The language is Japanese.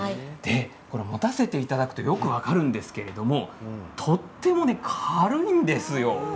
持たせていただくとよく分かるんですけれどとても軽いんですよ。